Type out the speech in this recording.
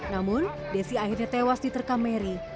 namun desi akhirnya tewas diterkam mary